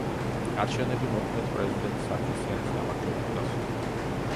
არჩევნები მოქმედ პრეზიდენტ სარქისიანის გამარჯვებით დასრულდა.